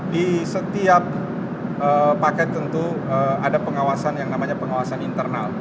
di setiap paket tentu ada pengawasan yang namanya pengawasan internal